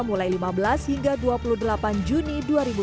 mulai lima belas hingga dua puluh delapan juni dua ribu dua puluh